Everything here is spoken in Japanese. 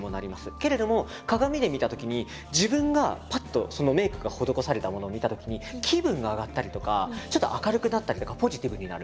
けれども鏡で見たときに自分がパッとそのメイクが施されたものを見たときに気分が上がったりとかちょっと明るくなったりとかポジティブになる。